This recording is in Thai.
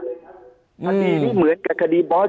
คดีนี้เหมือนกับคดีบอส